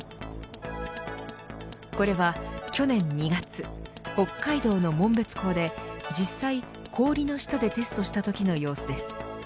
これは去年２月北海道の紋別港で実際、氷の下でテストしたときの様子です。